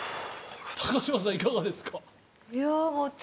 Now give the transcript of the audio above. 高島さん、いかがですか？